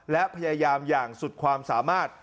และพยายามอย่างสุดความสามารถ